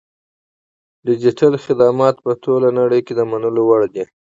ډیجیټل خدمات په ټوله نړۍ کې د منلو وړ دي.